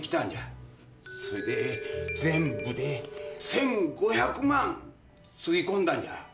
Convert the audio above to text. そいで全部で１，５００万つぎ込んだんじゃ。